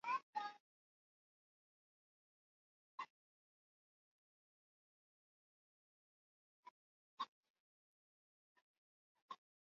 walipinga vita vya kikoloni walikataa kuongeza makisio na kiongozi wa wasoshalisti mwezi wa nane